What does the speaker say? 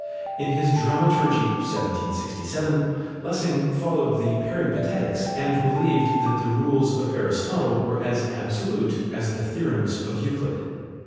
In his Dramaturgie (1767), Lessing followed the Peripatetics, and believed that the rules of Aristotle were as absolute as the theorems of Euclid.